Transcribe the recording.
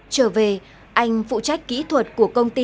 trở về anh phụ trách kỹ thuật của công ty